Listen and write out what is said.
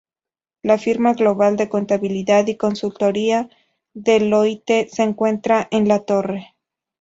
La firma global de contabilidad y consultoría Deloitte se encuentra en la torre.